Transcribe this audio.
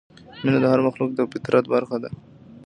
مینه د هر مخلوق د فطرت برخه ده.